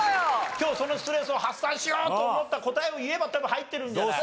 今日そのストレスを発散しようと思った答えを言えば多分入ってるんじゃないか？